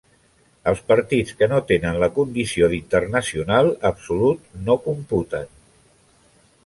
Els partits que no tenen la condició d'internacional absolut, no computen.